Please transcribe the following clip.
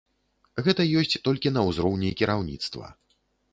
Гэта ёсць толькі на ўзроўні кіраўніцтва.